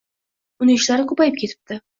Uni ishlari koʻpayib ketibdi.